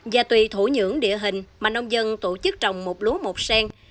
và tùy thủ nhưỡng địa hình mà nông dân tổ chức trồng một lúa một sen